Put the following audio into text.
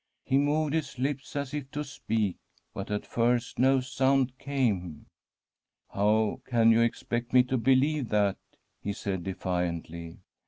He moved his lips as if to speak, but at first no sound came. ' How can you expect me to believe that ?' he said defiantly.